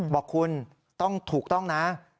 บอกคุณต้องถูกต้องนะ